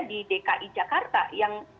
di dki jakarta yang